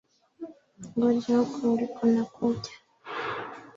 Ngoja uko uliko nakuja.